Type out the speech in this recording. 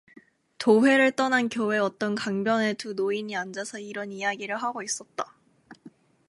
도회를 떠난 교외 어떤 강변에, 두 노인이 앉아서 이런 이야기를 하고 있었다.